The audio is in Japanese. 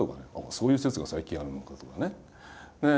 「そういう説が最近あるのか」とかね。